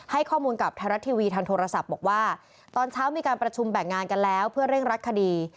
ให้ข้อมูลกับไทยรัฐทีวีทางโทรศัพท์บอกว่าตอนเช้ามีการประชุมแบ่งงานกันแล้วเพื่อเร่งรัดคดี